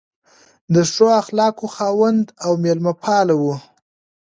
د ښو اخلاقو خاوند او مېلمه پال و.